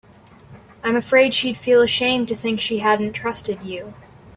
I'm afraid she'd feel ashamed to think she hadn't trusted you.